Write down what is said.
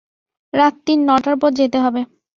রাত্তির নটার পর যেতে হবে।